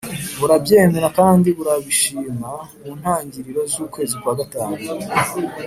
burabyemera kandi burabishima. Mu ntangiriro z'ukwezi kwa gatanu